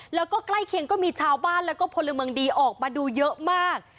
แล้วก็ใกล้เคียงก็มีชาวบ้านแล้วก็พลเมืองดีออกมาดูเยอะมาก